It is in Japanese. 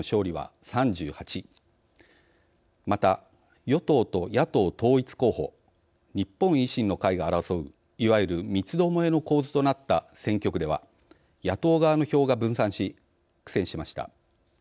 また与党と野党統一候補日本維新の会が争ういわゆる三つどもえの構図となった選挙区では野党側の票が分散し苦戦しました。